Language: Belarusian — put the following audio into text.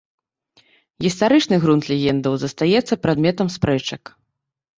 Гістарычны грунт легендаў застаецца прадметам спрэчак.